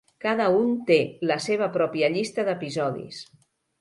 Cada un té la seva pròpia llista d'episodis.